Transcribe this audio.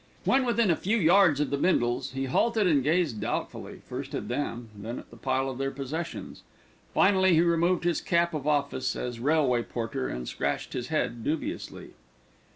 When within a few yards of the Bindles, he halted and gazed doubtfully, first at them, then at the pile of their possessions. Finally he removed his cap of office as railway porter, and scratched his head dubiously.